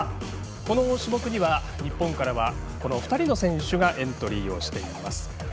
この種目には日本からはこの２人の選手がエントリーしています。